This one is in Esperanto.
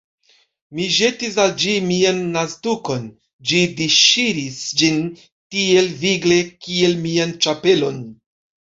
Mi ĵetis al ĝi mian naztukon: ĝi disŝiris ĝin tiel vigle, kiel mian ĉapelon.